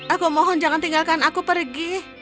aku mohon jangan tinggalkan aku pergi